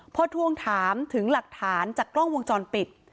พอทวงถามถึงหลักฐานจากกล้องวงจรปิด